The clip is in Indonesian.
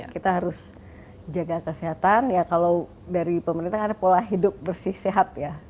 kita harus jaga kesehatan ya kalau dari pemerintah ada pola hidup bersih sehat ya